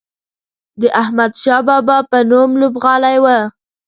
د احمدشاه بابا په نوم لوبغالی و.